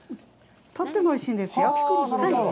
とってもおいしいんですよ。